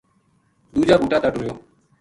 دوجا بُوٹا تا ٹُریو